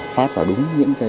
phát vào đúng những lưu lượng